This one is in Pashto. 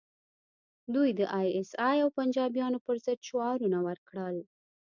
دوی د ای ایس ای او پنجابیانو پر ضد شعارونه ورکړل